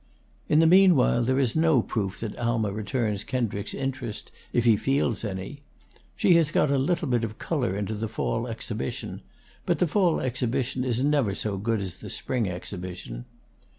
In the mean while there is no proof that Alma returns Kendricks's interest, if he feels any. She has got a little bit of color into the fall exhibition; but the fall exhibition is never so good as the spring exhibition.